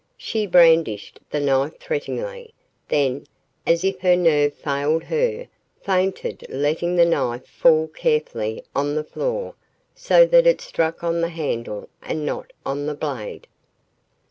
She brandished the knife threateningly, then, as if her nerve failed her, fainted letting the knife fall carefully on the floor so that it struck on the handle and not on the blade.